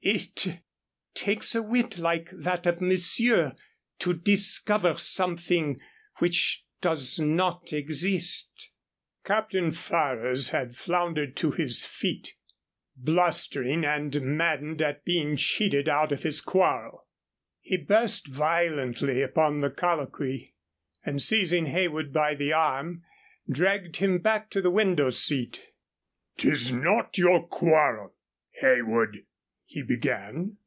It takes a wit like that of monsieur to discover something which does not exist." Captain Ferrers had floundered to his feet, blustering and maddened at being cheated out of his quarrel. He burst violently upon the colloquy, and, seizing Heywood by the arm, dragged him back to the window seat. "'Tis not your quarrel, Heywood," he began.